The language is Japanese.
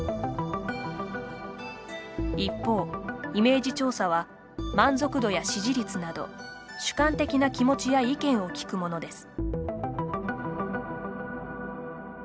一方、イメージ調査は満足度や支持率など主観的な気持ちや意見を聞くものです。